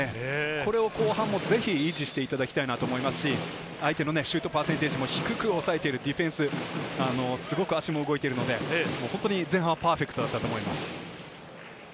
これを後半もぜひ維持していただきたいと思いますし、相手のシュートのパーセンテージも低く抑えているディフェンス、すごく足も動いているので、前半、本当にパーフェクトだったと思います。